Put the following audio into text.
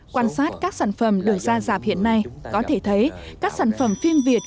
quan sát các sản phẩm được ra rạp hiện nay có thể thấy các sản phẩm phim việt